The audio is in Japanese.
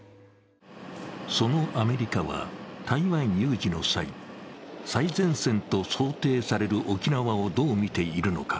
そのアメリカは、台湾有事の際、最前線と想定される沖縄をどう見ているのか。